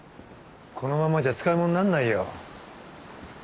このままじゃ使い物になんないよ。